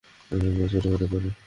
লম্বায় ছোট হতে পারে।